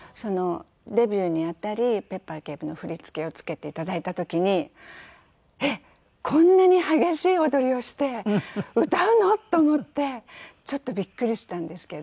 デビューにあたり『ペッパー警部』の振り付けをつけて頂いた時に「えっこんなに激しい踊りをして歌うの？」と思ってちょっとびっくりしたんですけれども。